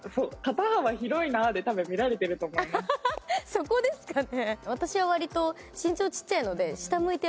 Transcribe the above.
そこですかね。